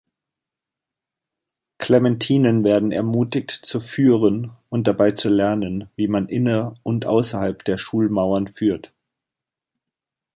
Clementinen werden ermutigt, zu führen und dabei zu lernen, wie man inner- und außerhalb der Schulmauern führt.